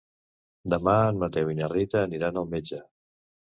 Demà en Mateu i na Rita aniran al metge.